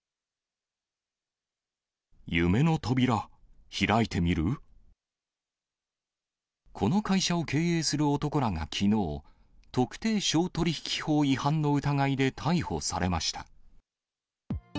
夢の扉、この会社を経営する男らがきのう、特定商取引法違反の疑いで逮捕されました。